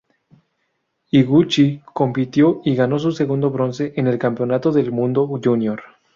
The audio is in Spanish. Higuchi compitió y ganó su segundo bronce en el Campeonato del Mundo Júnior.